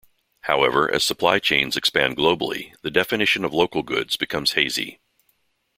However, as supply chains expand globally, the definition of local goods becomes hazy.